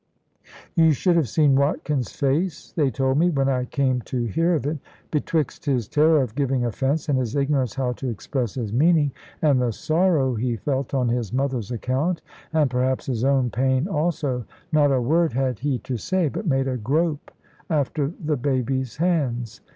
You should have seen Watkin's face, they told me, when I came to hear of it. Betwixt his terror of giving offence, and his ignorance how to express his meaning, and the sorrow he felt on his mother's account, and perhaps his own pain also, not a word had he to say, but made a grope after the baby's hands.